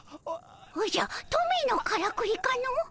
おじゃトミーのからくりかの。